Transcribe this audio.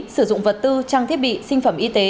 sử dụng vật tư trang thiết bị sinh phẩm y tế